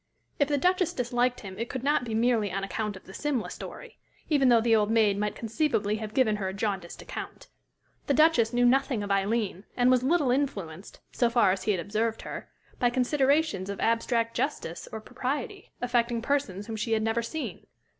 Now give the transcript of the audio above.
If the Duchess disliked him it could not be merely on account of the Simla story, even though the old maid might conceivably have given her a jaundiced account. The Duchess knew nothing of Aileen, and was little influenced, so far as he had observed her, by considerations of abstract justice or propriety, affecting persons whom she had never seen.